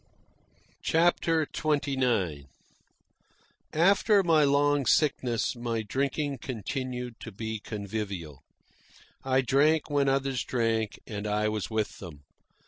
CHAPTER XXIX After my long sickness my drinking continued to be convivial. I drank when others drank and I was with them.